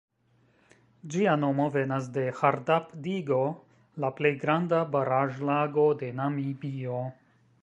Ĝia nomo venas de Hardap-digo, la plej granda baraĵlago de Namibio.